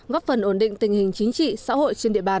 góp phần ổn định tình hình chính trị xã hội trên địa bàn